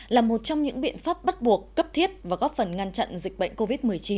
là một trong những biện pháp bắt buộc cấp thiết và góp phần ngăn chặn dịch bệnh covid một mươi chín